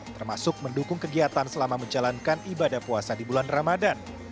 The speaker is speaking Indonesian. termasuk mendukung kegiatan selama menjalankan ibadah puasa di bulan ramadan